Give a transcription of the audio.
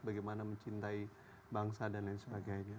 bagaimana mencintai bangsa dan lain sebagainya